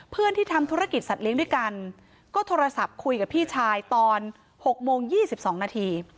เพื่อนที่ทำธุรกิจสัตว์เลี้ยงด้วยกันก็โทรศัพท์คุยกับพี่ชายตอน๖โมง๒๒นาที